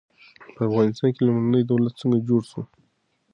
په افغانستان کې لومړنی دولت څنګه جوړ سو؟